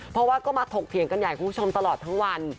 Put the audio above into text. เพราะว่าก็มาถกเถียงกันใหญ่คุณผู้ชมตลอดทั้งวัน